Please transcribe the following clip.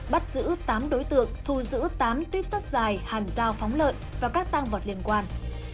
bắt giữ tám đối tượng thu giữ tám tuyếp sắt dài hàn dao phóng lợn và các tăng vật liên quan